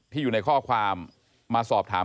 อยู่ในข้อความมาสอบถาม